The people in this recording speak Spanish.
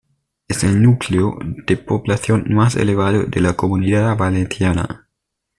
Es el núcleo de población más elevado de la Comunidad Valenciana.